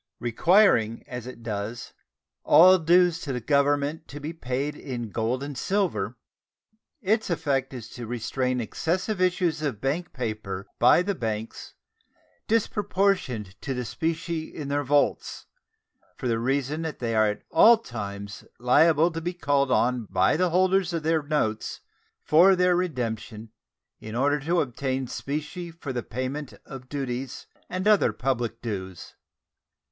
Requiring, as it does, all dues to the Government to be paid in gold and silver, its effect is to restrain excessive issues of bank paper by the banks disproportioned to the specie in their vaults, for the reason that they are at all times liable to be called on by the holders of their notes for their redemption in order to obtain specie for the payment of duties and other public dues.